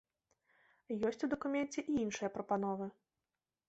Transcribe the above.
Ёсць у дакуменце і іншыя прапановы.